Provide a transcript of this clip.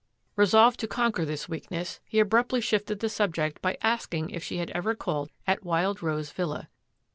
Resolved to con quer this weakness, he abruptly shifted the sub ject by asking if she had ever called at Wild Rose ViUa.